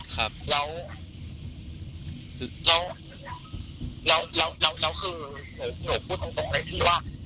ครับแล้วแล้วแล้วแล้วแล้วคือหนูหนูพูดตรงตรงเลยพี่ว่า